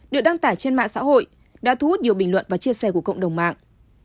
được đăng tải trên mạng xã hội đã thu hút nhiều bình luận và chia sẻ của cộng đồng mạng